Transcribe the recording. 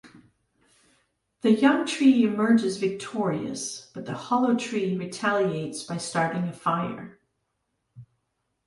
The young tree emerges victorious, but the hollow tree retaliates by starting a fire.